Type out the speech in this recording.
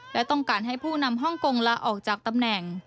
และต้องการให้ผู้นำฮ่องกงลาออกจากตำแหน่ง